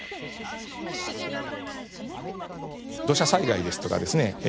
土砂災害とかですね